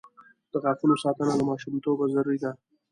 د غاښونو ساتنه له ماشومتوبه ضروري ده.